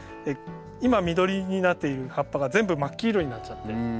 今緑になっている葉っぱが全部真っ黄色になっちゃって。